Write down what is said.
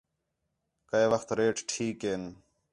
کَئے وخت ریٹ ٹھیک ہین